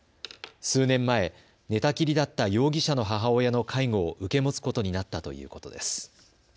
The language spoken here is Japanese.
数年前、寝たきりだった容疑者の母親の介護を受け持つことになったということです。